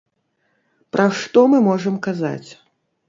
Пра што мы можам казаць?